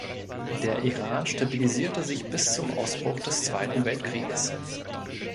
Der Iran stabilisierte sich bis zum Ausbruch des Zweiten Weltkrieges.